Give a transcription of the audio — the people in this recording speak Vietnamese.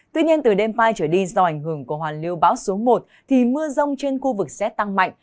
tuy nhiên từ đêm mai trở đi do ảnh hưởng của hoàn lưu bão số một thì mưa rông trên khu vực sẽ tăng mạnh